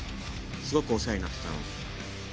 すごくお世話になってたので。